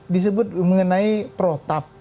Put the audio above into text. disebut mengenai protap